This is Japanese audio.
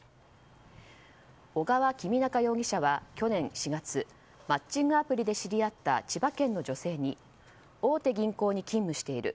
小川公央容疑者は去年４月マッチングアプリで知り合った千葉県の女性に大手銀行に勤務している。